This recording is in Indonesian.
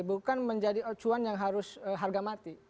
bukan menjadi acuan yang harus harga mati